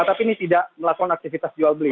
tapi ini tidak melakukan aktivitas jual beli